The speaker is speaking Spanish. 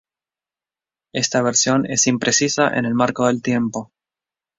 Esta versión es imprecisa en el marco del tiempo.